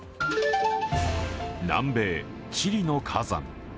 南米チリの火山。